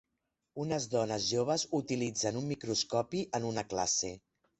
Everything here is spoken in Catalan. Unes dones joves utilitzen un microscopi en una classe.